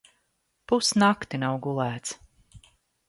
Pus nakti nav gulēts.